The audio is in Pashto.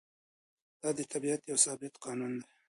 دا د طبیعت یو ثابت قانون دی.